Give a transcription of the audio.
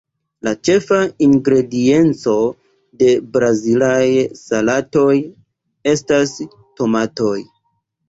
La ĉefa ingredienco de brazilaj salatoj estas tomatoj.